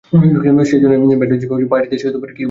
সেজন্যই bat mitzvah পার্টিতে এসে ও কিউব নিয়ে খেলছে।